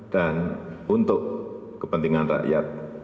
dan untuk kepentingan rakyat